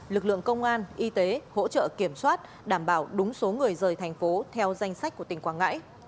lực lượng công an y tế hỗ trợ kiểm soát đảm bảo đúng số người rời thành phố theo danh sách của tỉnh quảng ngãi